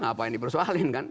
ngapain dipersoalin kan